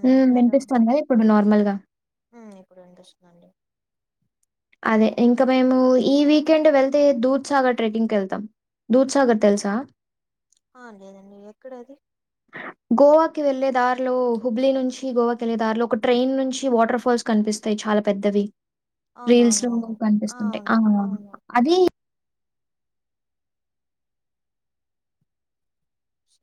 ఉమ్ ఊ విన్పిస్తుందా ఇప్పుడు నార్మల్ గా ఊ ఇప్పుడు విన్పిస్తుందండి అదే ఇంకా మేము ఈ వీకెండు వెళ్తే దూద్ సాగర్ ట్రెకింగ్ కెళ్తాం దూద్ సాగర్ తెల్సా ఆ లేదండి ఎక్కడది గోవాకి వెళ్ళే దారిలో హుబ్లీ నుంచి గోవాకి ఎళ్ళే దారిలో ఒక ట్రైన్ నుంచి వాటర్ ఫాల్స్ కన్పిస్తాయి చాలా పెద్దవి రీల్స్ లో అవునవునవును కనిపిస్తుంటాయి అవును ఆ అవును అది స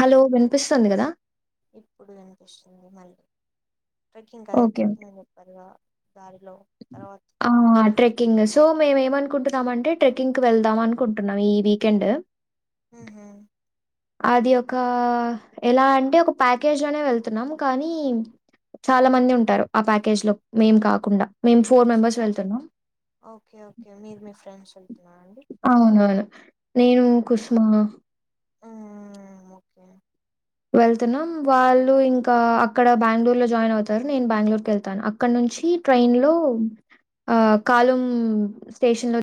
హలో విన్పిస్తుంది గదా ఇప్పుడు విన్పిస్తుంది మళ్ళీ ట్రెక్కింగ్ కదే ఓకే. ఓకే. ట్రెక్కింగ్ [inaudible] పదిగా దారిలో తర్వాత్ ఆ ట్రెక్కింగ్ సో మేము ఏమనుకుంటున్నాం అంటే ట్రెక్కింగ్కి వెళ్దాం అనుకుంటున్నాం ఈ వీకెండ్ ఉహు అది ఒక ఎలా అంటే ఒక ప్యాకేజ్ అనే వెళ్తున్నాము కానీ చాలా మంది ఉంటారు ఆ ప్యాకేజ్ లో మేం కాకుండా మేము ఫోర్ మెంబెర్స్ ఓకే వెళ్తున్నాం ఓకే ఓకే మీరు మీ ఫ్రెండ్స్ వెళ్తున్న అండి అవునవును నేను కుసుమా ఆ ఓకే వెళ్తున్నాం వాళ్ళు ఇంకా అక్కడ బెంగళూరు లో జాయిన్ అవుతారు నేను బెంగళూరుకి వెళ్తాను అక్కడ నుంచి ట్రైన్ లో ఆ కాలం స్టేషన్ లో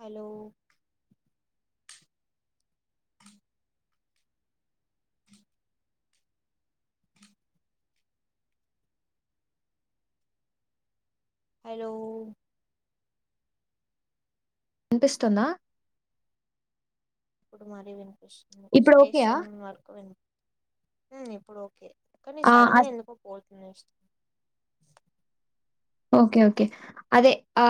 హలో అ హ హలో వినిపిస్తుందా ఇప్పుడు మరీ వినిపిస్తుంది ఇప్పుడు ఓకేయా? స్టేషన్ వరకు విన్పి ఉ ఇప్పుడు ఓకే కానీ ఆ! సడన్ గా అస్ ఎందుకో పోతుంది ఇష్ ఓకే ఓకే అదే ఆ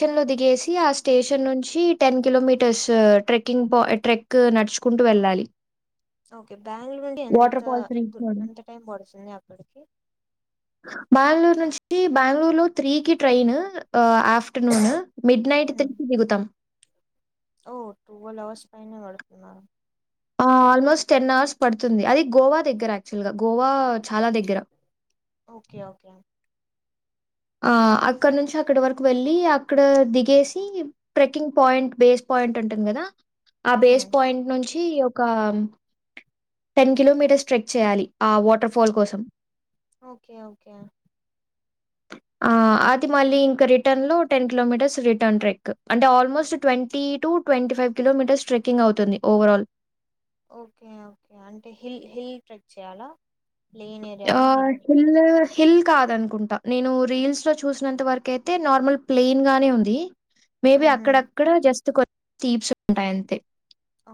ఆ, లో దిగేసి ఆ స్టేషన్ నుంచి టెన్ కిలోమీటర్స్ ట్రెక్కింగ్ ప ట్రెక్ నడుచుకుంటూ వెళ్ళాలి ఓకే బ్యాంగళూరు నుండి ఎంత వాటర్ ఫాల్స్ రీచ్ అవ్వడం. ఎంత టైం పడుతుంది అక్కడికి బెంగళూర్ నుంచి బెంగళూరులో త్రీకి train of afternoon mid night three హ్మ్ కి దిగుతాం ఓ టువెల్వ్ అవర్స్ పైనే పడుతుందా ఆ ఆల్మోస్ట్ టెన్ అవర్స్ పడుతుంది అది గోవా దగ్గర యాక్చువల్ గా గోవా చాలా దగ్గర ఓకే ఓకే ఆ అక్కడ నుంచి అక్కడి వరకు వెళ్ళి అక్కడ దిగేసి ట్రెక్కింగ్ పాయింట్ బేస్ పాయింట్ ఉంటుంది కదా ఆ హ్మ్ బేస్ పాయింట్ నుంచి ఒక టెన్ కిలోమీటర్స్ ట్రెక్ చేయాలి ఆ వాటర్ ఫాల్ కోసం ఓకే ఓకే ఆ అది మళ్ళీ ఇంకా రిటర్న్ లో టెన్ కిలోమీటర్స్ రిటర్న్ ట్రెక్ అంటే ఆల్మోస్ట్ ట్వంటీ టు ట్వీ ఫైవ్ కిలోమీటర్స్ ట్రెకింగ్ అవుతుంది ఓవర్ ఆల్ ఓకే ఓకే అంటే హిల్ హిల్ ట్రెక్ చేయాలా ప్లెయిన్ ఏరియానా హిల్ యాచుల్ ల్ హిల్ కాదనుకుంటాను నేను రీల్స్ లో చూసినంత వరకు అయితే నార్మల్ ప్లెయిన్ గానే ఉంది మేబి ఊహూ అక్కడక్కడ జస్ట్ కొ టీప్స్ ఉంటాయి అంతే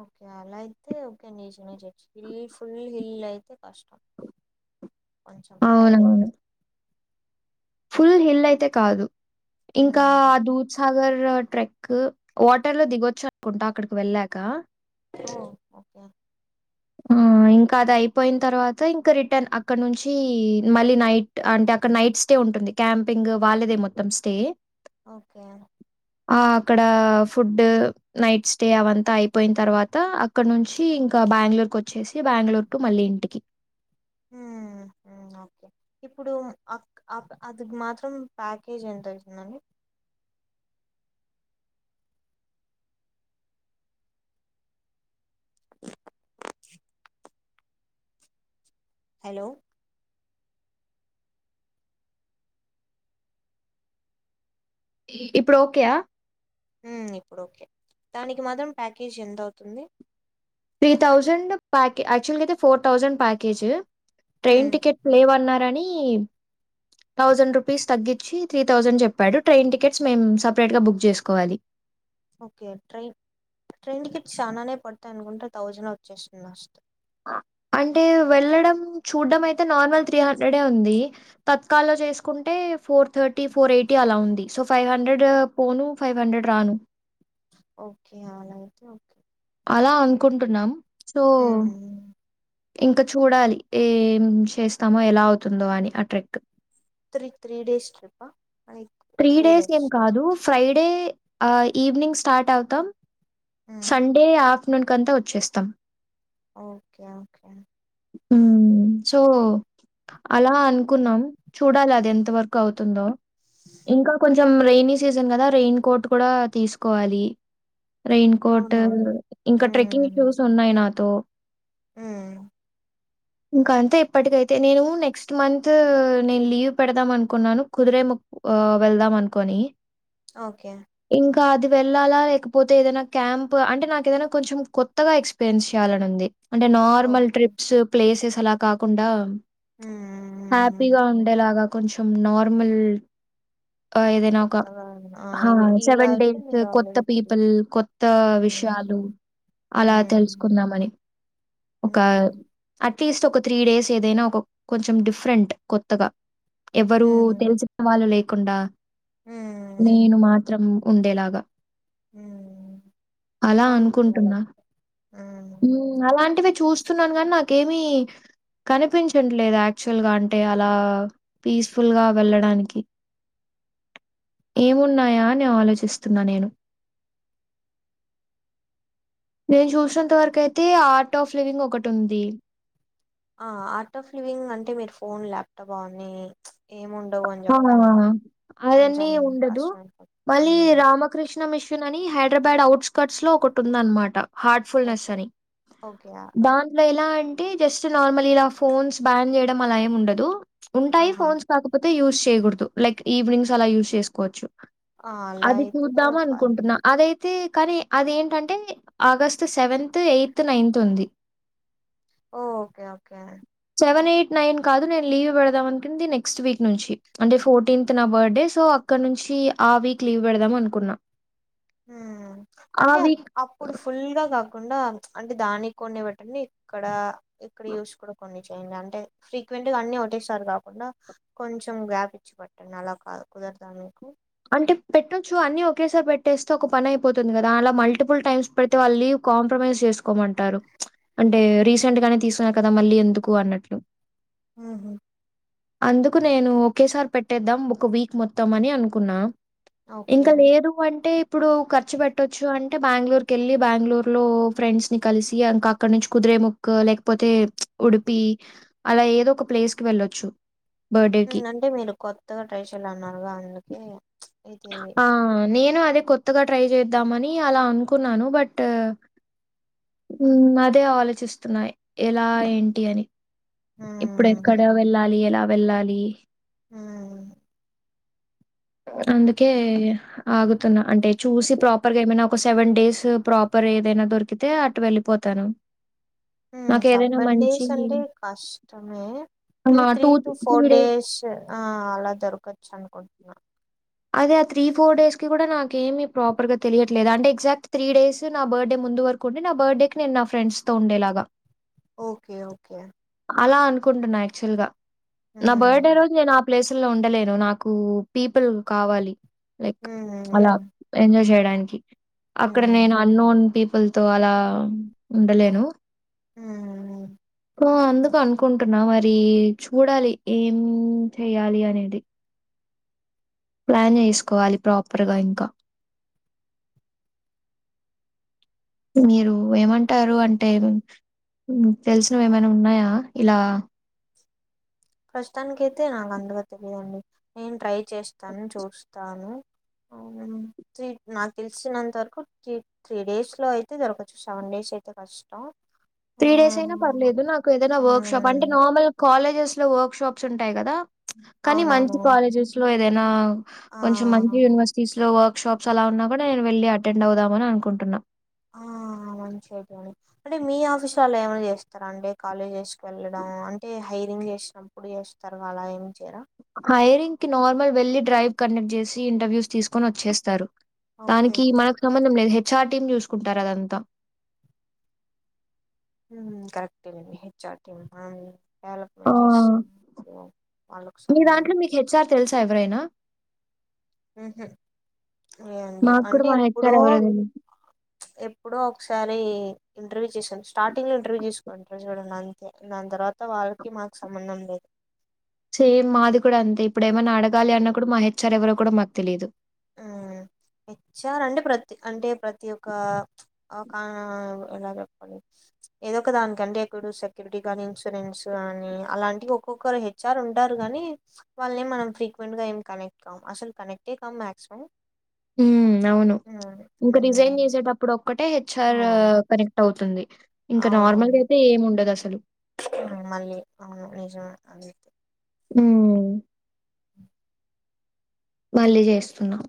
ఓకే అలా అయితే ఓకే ని చినే చేయచ్చు హిల్ ఫుల్ హిల్ అయితే కష్టం కొంచం టైర్డ్ అవునవును. అయిపోతాం ఫుల్ హిల్ అయితే కాదు ఇంకా హ్మ్ ఆ దూద్సాగర్ ట్రెక్ క్ వాటర్ లో దిగొచ్చు అనుకుంటా అక్కడికి వెళ్ళాక ఓ ఓకే ఆ ఇంకా అది అయిపోయిన తర్వాత ఇంకా రిటర్న్ అక్కడ నుంచి మళ్ళీ నైట్ అంటే అక్కడ నైట్ స్టే ఉంటుంది క్యాంపింగ్ వాళ్ళేదే మొత్తం స్టే ఓకే ఆ అక్కడ ఫుడ్ నైట్ స్టే అవంతా అయిపోయిన తర్వాత అక్కడ నుంచి ఇంకా బెంగళూరుకి వచ్చేసి బెంగళూరు టు మళ్ళీ ఇంటికి హ ఓకే ఇప్పుడు అక్ అక్ అది మాత్రం ప్యాకేజ్ ఎంత ఉంటుందండీ హలో ఇప్పుడు ఓకేయా ఉ ఇప్పుడు ఓకే దానికి మాత్రం ప్యాకేజీ ఎంత అవుతుంది త్రీ థౌజండ్ ప్యాక్ యాక్చువల్గా అయితే ఫోర్ థౌజండ్ ప్యాకేజ్ హ్మ్ ట్రైన్ టికెట్ లేవన్నారని థౌజండ్ రూపీస్ తగ్గించి త్రీ థౌజండ్ చెప్పాడు ట్రైన్ టికెట్స్ మేము సపరేట్ గా బుక్ చేసుకోవాలి ఓకే ట్రైన్ ట్రైన్ టికెట్స్ చాలానే పడతాయి అనుకుంటా థౌజండ్ వచ్చేస్తుంది ఫస్ట్ అ అంటే వెళ్ళడం చూడ్డం అయితే నార్మల్ త్రీ హండ్రెడ్ డే ఉంది తత్క లో చేసుకుంటే ఫోర్ థర్టీ ఫోర్ ఎయిటీ అలా ఉంది సో ఫైవ్ హండ్రెడ్ పోను ఫైవ్ హండ్రెడ్ రాను ఓకే అలా అయితే ఓకే అలా అనుకుంటున్నాం సో ఇంకా చూడాలి ఏం చేస్తామో ఎలా అవుతుందో అని ఆ trick three three days trip ఆ త్రీ డేస్ ఏం కాదు ఫ్రైడే ఆ ఈవినింగ్ స్టార్ట్ అవుతాం సండే అఫ్టర్నూన్ కంతా వచ్చేస్తాం ఓకే ఓకే ఉమ్ సో అలా అనుకున్నాం చూడాలి అది ఎంత వరకు అవుతుందో ఇంకా కొంచెం రెైనీ సీజన్ కదా రెయిన్ కోట్ కూడా తీసుకోవాలి రైన్ కోటు అవునవును ఇంకా ట్రెక్కింగ్ షూస్ ఉన్నాయి నాతో హు ఇంకా అంతే ఇప్పటికైతే నేను నెక్స్ట్ మంతు నేను లీవ్ పెడదాం అనుకున్నాను కుదిరే ము ఓ వెళ్దాం అనుకోని ఓకే ఇంకా అది వెళ్ళాలా లేకపోతే ఏదైనా క్యాంప్ అంటే నాకు ఏదైనా కొంచెం కొత్తగా ఎక్స్పీరియన్స్ చేయాలని ఉంది అంటే నార్మల్ ఓకే ట్రిప్స్ ప్లేసెస్ అలా కాకుండా ఆ హ్యాపీగా ఉమ్ ఉండేలాగా కొంచెం నార్మల్ ఆ ఏదైనా ఒక కొత్తగా ఆ ఒక ఇవి ఇలా సెవెన్ అయితే డేస్ మీరు కొత్త ఆల్రెడీ తిరిగి పీపుల్ కొ కొత్త విషయాలు ఉమ్ అలా ఉమ్ తెలుసుకుందామని ఒక ఉమ్ అట్లీస్ట్ ఒక త్రీ డేస్ ఏదైనా ఒక కొంచెం డిఫరెంట్ కొత్తగా ఎవ్వరు ఉమ్ తెలిసి వాళ్ళు లేకుండా నేను ఉమ్ మాత్రం ఉండేలాగా ఉమ్ అలా అవును అలా అనుకుంటున్నా ఉమ్ స్తున్నాను గాన్ నాకేమి కనిపించట్లేదు యాక్చువల్ గా అంటే అలా పీస్ఫుల్ గా వెళ్ళడాని ఏమున్నాయా అని ఆలోచిస్తున్నా నేను నేను చూసినంత వరకు అయితే ఆటో ఫ్లీవింగ్ ఒకటి ఉంది ఆ ఆటో ఫ్లీవింగ్ అంటే మీరు ఫోన్ ల్యాప్టాప్ అవన్నీ ఏముండవు అని ఆ! చెప్పారు గా అదన్నీ ఉండదు మళ్ళీ రామకృష్ణ మిషన్ అని హైదరాబాద్ అవుట్స్ కట్స్ లో ఒకటి ఉందనమాట హార్ట్ఫుల్నెస్ ఓకే అని ఓకే ఆ, దాంట్లో ఎలా అం టి జస్ట్ నార్మల్ ఇలా ఫోన్స్ బ్యాన్ చేయడం అలా ఏం ఉండదు ఉంటాయి ఆహా ఫోన్స్ కాకపోత్ తి యూస్ చేయకూడదు లైక్ ఈవినింగ్స్ అలా యూస్ చేసుకోవచ్చు ఆ, అలా అది అయితే చూద్దాం ఫైన్ అనుకుంటున్నా అదై తే కానీ అదేంటంటే ఆగస్ట్ సెవెంత్ ఎయిత్ నైన్త్ ఉంది ఓ okay okay seven eight nine కాదు నేను లీవ్ పెడదాం అనుకుంది నెక్స్ట్ వీక్ నుంచి అంటే ఫోర్టీన్త్ నా బర్త్డే సో అక్కడ నుంచి ఆ వీక్ లీవ్ పెడదాం అనుకున్న ఊ అంటే అక్ వీక్ అప్పుడు ఫుల్ గా తగ్ కుండా ప్చ్ అంటే దాన్ కొన్ని పెట్టండి ఇక్కడ ఇక్కడ యూస్ కూడ్ కొన్ని చేయండి అంటే ఫ్రీక్వెంట్ గా అన్ని ఒకటే సారి కాకుండా కొంచెం గ్యాప్ ఇచ్చి పట్టండి అలా కాదు కుదరద మీకు అంటే పెట్టొచ్చు అన్ని ఒకేసారి పెట్టేస్తే ఒక పని అయిపోతుంది కదా అలా మల్టిపుల్ టైమ్స్ ఇప్పుడైతే వాళ్ళ లీవ్ కాంప్రమైజ్ చేసుకోమంటారు అంటే రీసెంట్ గానే తీసుకున్నారు కదా మళ్ళీ ఎందుకు అన్నట్లు ఉహు అందుకు నేను ఒకేసార్ పెట్టేద్దాం ఒక వీక్ మొత్తం అని అనుకున్నా ఓకే ఇంకా లేదు అంటే ఇప్పుడు ఖర్చు పెట్టచ్చు అంటే బెంగళూరు కెళ్ళి బెంగళూరులో ఫ్రెండ్స్ ని కలిసి ఇంకా అక్కడ నుంచి కుదిరే ముక్ కూ లేకపోతే ఉడుపి అలా ఏదో ఒక ప్లేస్ కి వెళ్ళొచ్చు హు బర్త్‌డేకి. అంటే మీరు కొత్తగా ట్రై చెయ్యాల అన్నారు గా అందుకే ప్చ్ ఇది ఆ నేను అదే కొత్తగా ట్రై చేద్దామని అలా అనుకున్నాను బట్టు ఊ అదే ఆలోచిస్తున్నా ఎలా ఏంటి అని ఇప్పుడు ఉమ్ ఎక్కడ వెళ్ళాలి ఎలా వెళ్ళాలి ఊ అందుకే ఆగుతున్నా అంటే చూసి ప్రాపర్ గా ఏమైనా ఒక సెవెన్ డేస్ ప్రాపర్ ఏదైనా దొరికితే అటు వెళ్ళి పోతాను హు సబన్ డేస్ అంటే కష్టమే మే ఆ! Be three to four days తే ఆ అలా దొరకచ్చు అనుకుంటున్నా అదే ఆ త్రీ ఫోర్ డేస్ కి కూడా నాకేమి ప్రాపర్ గా తెలియట్లేదు అంటే ఎగ్జాక్ట్ త్రీ డేస్ నా బర్త్డే ముందు వరక్ కొని నా బర్త్ డే కి నేను నా ఫెండ్స్ తో ఉండేలాగా ఓకే ఓకే అలా అనుకుంటున్నా యాక్చువల్గా నా బర్త్డే ఉమ్ రోజు నేను ఆ ప్లేస్ లో ఉండలేను నాకు పీపుల్ కావాలి లైక్ అలా ఉమ్ ఎంజాయ్ చేయడానికి అక్కడ ఉమ్ నేను అన్నోన్ పీపుల్ తో అలా ఉండలేను ఊ ఓహో అందుకు అనుకుంటున్నా మరి చూడాలి ఏం చెయ్యాలి అనేది ప్లాన్ చేసుకోవాలి ప్రాపర్గా ఇంకా మీరు ఏమంటారు అంటే తెలిసినవి ఏమైనా ఉన్నాయా ఇలా ప్రస్తుతానికైతే అయితే నాకు అందగా తెలిదండి నేను ట్రై చేస్తాను చూస్తాను అవునండి త్రి నాకు తెలిసినంత వరకు ట్రి త్రీ డేస్ లో అయితే దొరకొచ్చు సెవెన్ డేస్ అయితే కష్టం త్రీ డేసే అయినా ఆ పర్లేదు నాకు ఏదైనా వర్క్ షాప్ అంటే హ్మ్ నార్మల్ కాలేజెస్ లో వర్క్ షాప్స్ ఉంటాయి కదా కానీ మంచి అవునవునవును కాలేజెస్ లో ఏదైనా ఆ కొంచెం మంచి యూనివర్సి టీస్ లో వర్క్ షాప్స్ అలా ఉన్నా కూడా నే వెళ్లి అటెండ్ అవుదామని అనుకుంటున్నా ఆ మంచిది అండి అంటే మీ ఆఫీసు వాళ్ళ ఏమైనా చేస్తారా అండి కాలేజెస్ కి వెళ్ళడం అంటే హైరింగ్ చేస్ నప్పుడు చేస్తారు అలా ఏం చేయరా హైరింగ్ కి నార్మల్ వెళ్లి డ్రైవ్ కండెక్ట్ చేసి ఇంటర్వ్యూస్ తీసుకొని వచ్చేస్తారు ఓకే దానికి మాక్ సంబంధం లేదు హెచ్ఆర్ టీం చూసుకుంటారు అదంతా హు కరెక్టే లేండి హెచ్ ఆర్ టీం అన్ ఆ! డెవలప్మెంట్ చేస్ వావ్ వాళ్లకు సంబంధం హెచ్ ఆర్ తెల్సా ఎవరైనా ఊహు ఏ అండి మాకు కూడా అంటే మా ఎప్పుడో హెచ్ఆర్ ఎవరో తెలీదు. ఎప్పుడో ఒకసారి ఇంటర్వ్యూ చేసాను స్టార్టింగ్ లో ఇంటర్వ్యూ చేసుకోని చూడండి అంతే దాని తర్వాత అంత వాళ్ళకి మాకు సంబంధం లేదు చేమ్ మాది కూడా అంతే ఇప్పుడు ఏమైనా అడగాలి అన్న కూడా మా హెచ్ఆర్ ఎవరో కూడా మాకు తెలీదు హు హెచ్ఆర్ అంటే ప్రతి అంటే ప్రతి ఒక్క ఒకా ఎలా చెప్పాలి ఏదో ఒక దానికంటే ఎక్కడు సెక్యూరిటీ కాని ఇన్సూరెన్స్ కానీ అలాంటివి ఒక్కొక్కరు హె చ్చారు ఉంటారు కానీ వాళ్ళని మనం ఫ్రీక్వెంట్గా ఏమి కనెక్ట్ కాం అసలు కనెక్టే కామ్ మా సో ఊమ్ అవును ఇంక రిజైన్ హ్మ్ చేసేటప్పు ఇప్పుడు ఒక్కటే ఆ హెచ్ఆర్ కనెక్ట్ అవుతుంది ఇంకా నార్మల్ అవునవును అయితే ఏముండదు అసలు మళ్ళీ అవును నిజమే అది ఊ హ [inaudible] మళ్ళీ చేస్తున్నాం